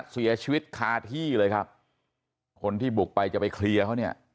เสียชีวิตคาที่เลยครับคนที่บุกไปจะไปเคลียร์เขาเนี่ย